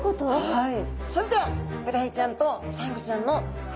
はい。